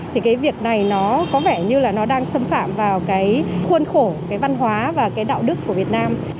thì cái việc này nó có vẻ như là nó đang xâm phạm vào cái khuôn khổ cái văn hóa và cái đạo đức của việt nam